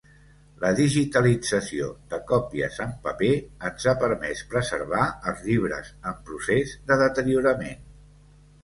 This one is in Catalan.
La digitalització de còpies en paper ens ha permès preservar els llibres en procés de deteriorament.